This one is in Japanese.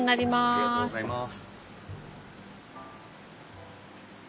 ありがとうございます。